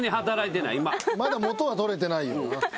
まだ元は取れてないよ。